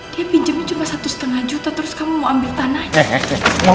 dia pinjamnya cuma satu lima juta terus kamu mau ambil tanahnya